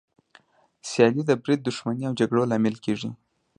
سیالي د بريد، دښمني او جګړو لامل کېږي.